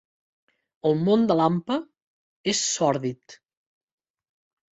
El món de l'hampa és sòrdid.